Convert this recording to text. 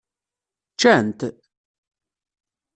Ččan-t?